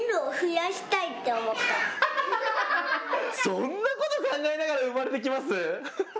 そんなこと考えながら生まれてきます？